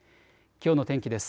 きょうの天気です。